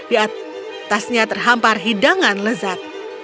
lihat tasnya terhampar hidangan lezat